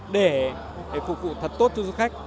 để phục vụ thật tốt cho du khách